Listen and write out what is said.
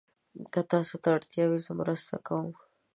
که تاسو ته اړتیا وي، زه مرسته کوم.